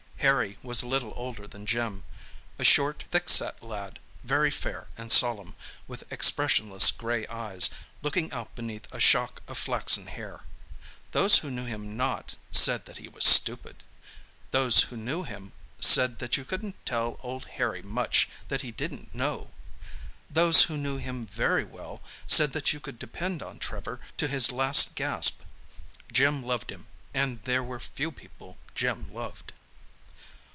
Harry was a little older than Jim—a short, thick set lad, very fair and solemn, with expressionless grey eyes, looking out beneath a shock of flaxen hair. Those who knew him not said that he was stupid. Those who knew him said that you couldn't tell old Harry much that he didn't know. Those who knew him very well said that you could depend on Trevor to his last gasp. Jim loved him—and there were few people Jim loved.